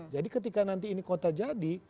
jadi ketika nanti ini kota jadi